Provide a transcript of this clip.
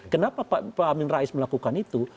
kenapa pak amin rais melakukan itu